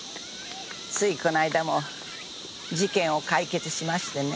ついこの間も事件を解決しましてね。